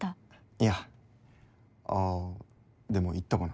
いやあっでも言ったかな。